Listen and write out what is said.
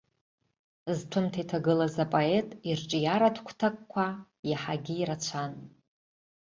Зҭәымҭа иҭагылаз апоет ирҿиаратә гәҭакқәа иаҳагьы ирацәан.